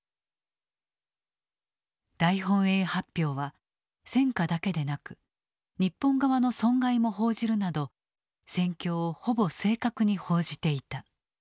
大本営発表は戦果だけでなく日本側の損害も報じるなど戦況をほぼ正確に報じていた。